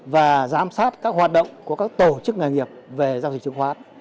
và giám sát các hoạt động của các tổ chức nghề nghiệp về giao dịch chứng khoán